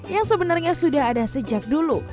yang sebenarnya sudah ada sejak dulu